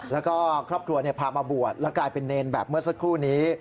แล้วก็ครอบครัวพามาบวชแล้วกลายเป็นเนรแบบเมื่อสักครู่นี้